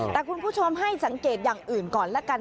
แต่คุณผู้ชมให้สังเกตอย่างอื่นก่อนละกัน